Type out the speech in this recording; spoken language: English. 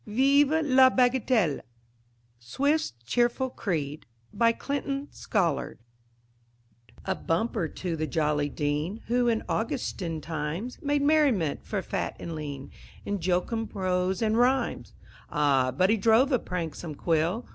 VIVE LA BAGATELLE ("Swift's Cheerful Creed") BY CLINTON SCOLLARD A bumper to the jolly Dean Who, in "Augustan" times, Made merriment for fat and lean In jocund prose and rhymes! Ah, but he drove a pranksome quill!